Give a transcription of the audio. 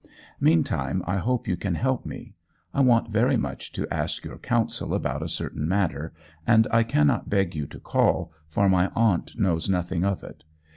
Meantime I hope you can help me. I want very much to ask your counsel upon a certain matter, and I cannot beg you to call, for my aunt knows nothing of it.